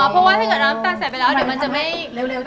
เพราะว่าถ้าเกิดน้ำตาลใส่ไปแล้วเดี๋ยวมันจะไม่เร็ว